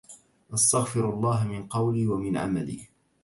استغفر الله من قولي ومن عملي